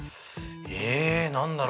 え何だろう？